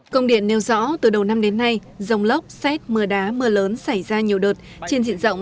công điện nêu rõ từ đầu năm đến nay dông lốc xét mưa đá mưa lớn xảy ra nhiều đợt trên diện rộng